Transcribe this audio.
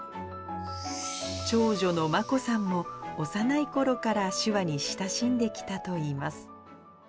長女の眞子さんも、幼いころから手話に親しんできたといいます。